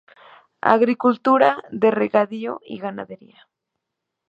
Agricultura de regadío y ganadería